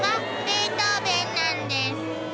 「ベートーヴェンなんです」